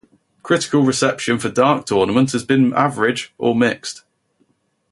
Critical reception for "Dark Tournament" has been average or mixed.